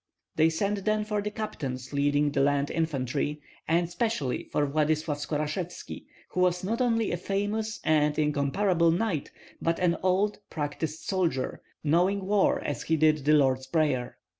They sent then for the captains leading the land infantry, and specially for Vladyslav Skorashevski, who was not only a famous and incomparable knight, but an old, practised soldier, knowing war as he did the Lord's Prayer.